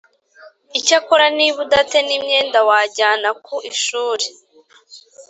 Icyakora niba uda te n imyenda wajyana ku ishuri